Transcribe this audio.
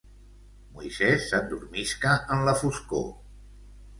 Moisès s'endormisca en la foscor.